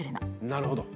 なるほど。